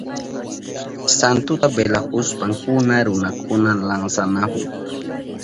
Santuta velahushpankuna runakuna lansanahun.